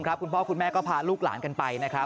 คุณพ่อคุณแม่ก็พาลูกหลานกันไป